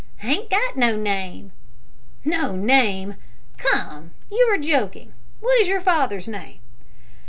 "Hain't got no name." "No name! Come, you are joking. What is your father's name?"